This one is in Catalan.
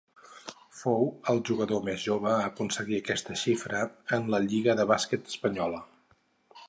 Fou el jugador més jove a aconseguir aquesta xifra en la lliga de bàsquet espanyola.